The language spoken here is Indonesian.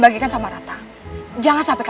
jangan kehlawatan mu yang lebih